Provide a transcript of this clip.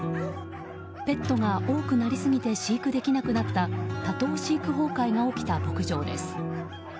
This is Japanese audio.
ペットが多くなりすぎて飼育できなくなった多頭飼育崩壊が起きた牧場です。